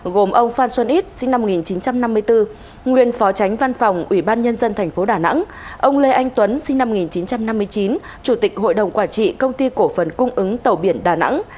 gồm ông phan xuân ít sinh năm một nghìn chín trăm năm mươi bốn nguyên phó tránh văn phòng ủy ban nhân dân tp đà nẵng ông lê anh tuấn sinh năm một nghìn chín trăm năm mươi chín chủ tịch hội đồng quản trị công ty cổ phần cung ứng tàu biển đà nẵng